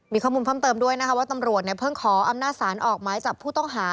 มีข้อมูลเพิ่มเติมด้วยนะคะว่าตำรวจเพิ่งขออำนาจศาลออกไม้จับผู้ต้องหา